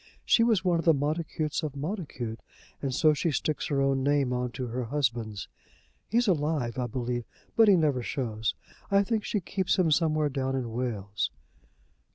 She was one of the Montacutes of Montacute, and so she sticks her own name on to her husband's. He's alive, I believe, but he never shews. I think she keeps him somewhere down in Wales."